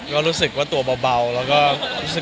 ห่านเล่นนี้มันสามารถฝึกใจเต่น